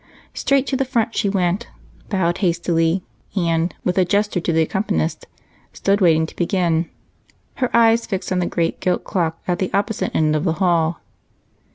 Straight to the front she went, bowed hastily, and, with a gesture to the accompanist, stood waiting to begin, her eyes fixed on the great gilt clock at the opposite end of the hall.